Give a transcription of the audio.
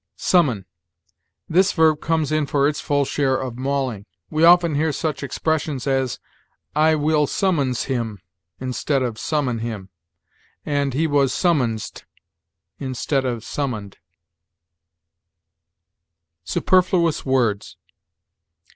SUMMON. This verb comes in for its full share of mauling. We often hear such expressions as "I will summons him," instead of summon him; and "He was summonsed," instead of summoned. SUPERFLUOUS WORDS.